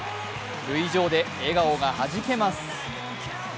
塁上で笑顔がはじけます。